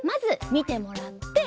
みてもらって。